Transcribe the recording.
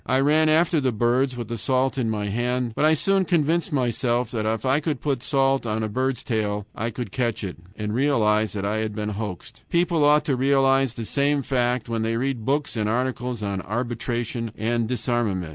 I ran after the birds with the salt in my hand, but I soon convinced myself that if I could put salt on a bird's tail, I could catch it, and realized that I had been hoaxed. People ought to realize the same fact when they read books and articles on arbitration and disarmament.